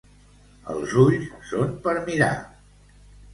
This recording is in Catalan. Els ulls són per mirar.